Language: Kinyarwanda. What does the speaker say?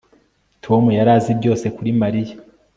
Tom yari azi byose kuri Mariya